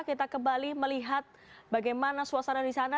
kita kembali melihat bagaimana suasana di sana